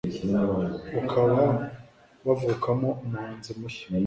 ukaba wavukamo umuhanzi mushya